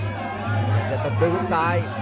อย่างจะต่ำดูหุ้นตาย